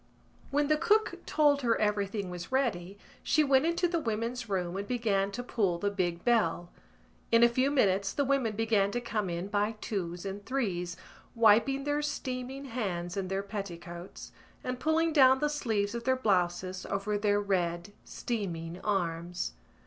When the cook told her everything was ready she went into the women's room and began to pull the big bell. In a few minutes the women began to come in by twos and threes, wiping their steaming hands in their petticoats and pulling down the sleeves of their blouses over their red steaming arms.